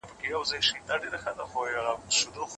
هغه پخپله اوږه ډېري مڼې نه وړي.